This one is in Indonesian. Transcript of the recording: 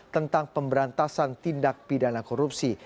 tentang pemberantasan tindak pidana korupsi